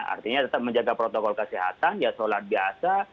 artinya tetap menjaga protokol kesehatan ya sholat biasa